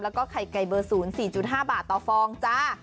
แล้วก็ไข่ไก่เบอร์๐๔๕บาทต่อฟองจ้า